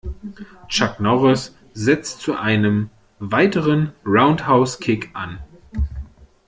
Chuck Norris setzt zu einem weiteren Roundhouse-Kick an.